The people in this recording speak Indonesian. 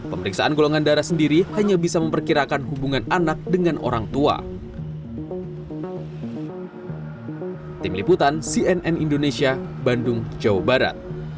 pemeriksaan golongan darah sendiri hanya bisa memperkirakan hubungan anak dengan orang tua